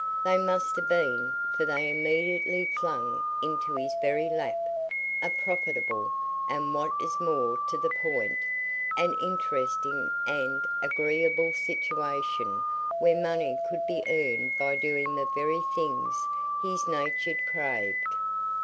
They must have been; for they immediately flung into his very lap a profitable, and what is more to the point, an interesting and agreeable situation where money could be earned by doing the very things his nature craved.